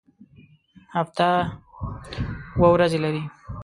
هفته اووه ورځې لري